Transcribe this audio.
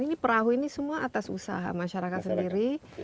ini perahu ini semua atas usaha masyarakat sendiri